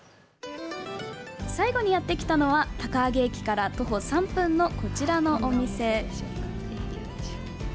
最後にやってきたのは高萩駅から徒歩３分のこちらのお店。